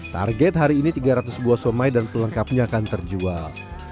target hari ini tiga ratus buah somai dan pelengkapnya akan terjual